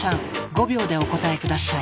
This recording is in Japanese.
５秒でお答え下さい。